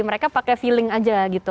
mereka pakai feeling aja gitu